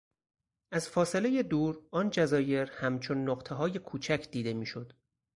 از فاصلهی دور آن جزایر همچون نقطههای کوچک دیده میشد.